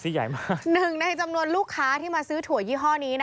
หนึ่งในจำนวนลูกค้าที่มาซื้อถั่วยี่ห้อนี้